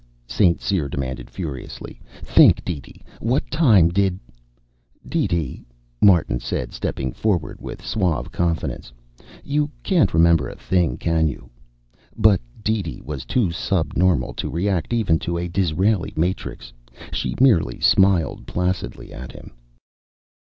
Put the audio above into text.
St. Cyr demanded furiously. "Think, DeeDee? What time did " "DeeDee," Martin said, stepping forward with suave confidence, "you can't remember a thing, can you?" But DeeDee was too subnormal to react even to a Disraeli matrix. She merely smiled placidly at him.